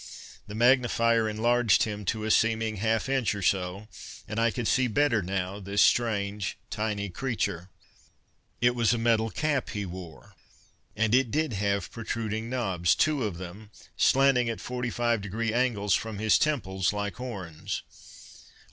The magnifier enlarged him to a seeming half inch or so, and I could see better, now, this strange tiny creature. It was a metal cap he wore, and it did have protruding knobs two of them slanting at 45 degree angles from his temples like horns.